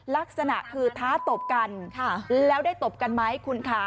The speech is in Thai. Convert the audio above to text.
ลักษณะคือท้าตบกันแล้วได้ตบกันไหมคุณคะ